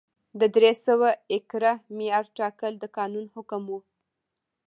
د درې سوه ایکره معیار ټاکل د قانون حکم و.